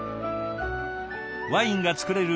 ワインが造れる